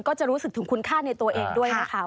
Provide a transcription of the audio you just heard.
ก็จะรู้สึกถึงคุณค่าในตัวเองด้วยนะคะ